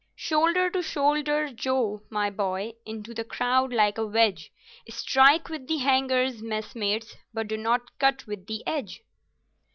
"Shoulder to shoulder, Joe, my boy, into the crowd like a wedge Strike with the hangers, messmates, but do not cut with the edge.